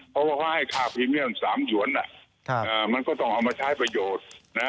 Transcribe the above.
เพราะว่าเขาให้ค่าพรีเมียม๓หยวนมันก็ต้องเอามาใช้ประโยชน์